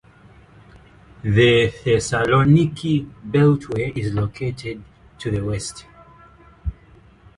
The Thessaloniki Beltway is located to the west.